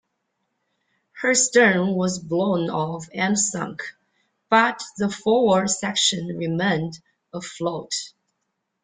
Her stern was blown off and sank, but the forward section remained afloat.